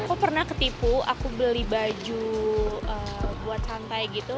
aku pernah ketipu aku beli baju buat santai gitu